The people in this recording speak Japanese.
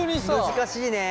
難しいね。